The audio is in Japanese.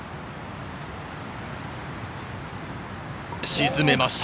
沈めました。